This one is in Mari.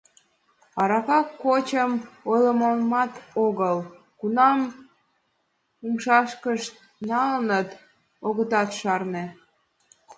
Арака кочым ойлыманат огыл: кунам умшашкышт налыныт — огытат шарне.